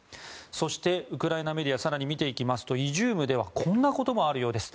そして、ウクライナメディア更に見ていきますとイジュームではこんなこともあるようです。